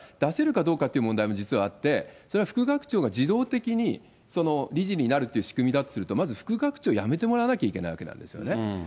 そこで本当に理事会で解任するという話が出せるかどうかって問題も実はあって、それは副学長が自動的に理事になるっていう仕組みだとすると、まず副学長辞めてもらわなきゃいけないわけなんですよね。